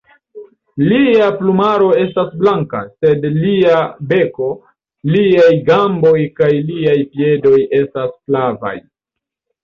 Lia plumaro estas blanka, sed lia beko, liaj gamboj kaj liaj piedoj estas flavaj.